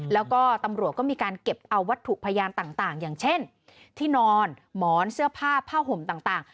แล้วก็ตำรวจก็มีการเก็บเอาวัตถุพยานต่างอย่างเช่นที่นอนหมอนเสื้อผ้าผ้าห่มต่าง